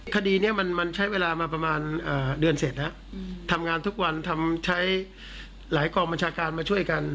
คดีนี้มันใช้เวลามาประมาณเดือนเสร็จแล้วทำงานทุกวันใช้หลายกองบัญชาการมาช่วยกัน